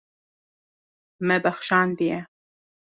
Me bexşandiye.